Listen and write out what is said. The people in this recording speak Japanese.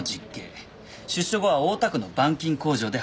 出所後は大田区の板金工場で働いています。